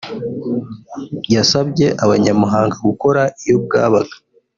yasabye Abanyamuhanga gukora iyo bwabaga